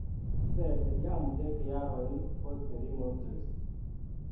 Sed jam dek jarojn poste li mortis.